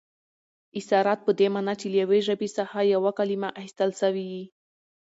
اثرات په دې مانا، چي له یوې ژبي څخه یوه کلیمه اخستل سوې يي.